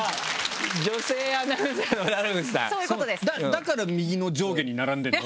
だから右の上下に並んでるの？